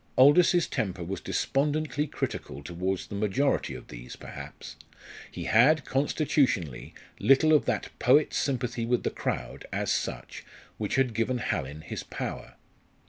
Aldous's temper was despondently critical towards the majority of these, perhaps; he had, constitutionally, little of that poet's sympathy with the crowd, as such, which had given Hallin his power.